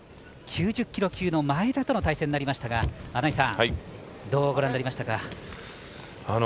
９０キロ級前田との対戦となりましたがどうご覧になりましたか？